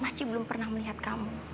pasti belum pernah melihat kamu